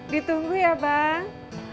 ditunggu ya bang